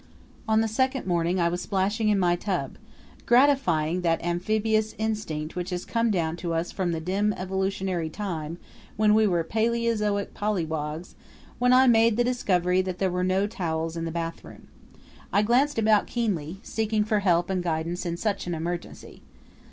On the second morning I was splashing in my tub, gratifying that amphibious instinct which has come down to us from the dim evolutionary time when we were paleozoic polliwogs, when I made the discovery that there were no towels in the bathroom. I glanced about keenly, seeking for help and guidance in such an emergency.